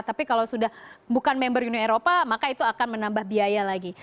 tapi kalau sudah bukan member uni eropa maka itu akan menambah biaya lagi